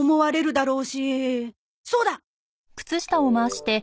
そうだ！